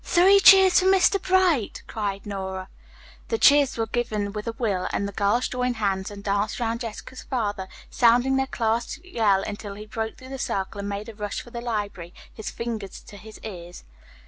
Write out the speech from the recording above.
"Three cheers for Mr. Bright," cried Nora. The cheers were given with a will, then the girls joined hands and danced around Jessica's father, sounding their class yell until he broke through the circle and made a rush for the library, his fingers to his ears.